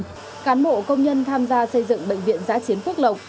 các cán bộ công nhân tham gia xây dựng bệnh viện giã chiến phước lộng